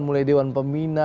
mulai dewan pemina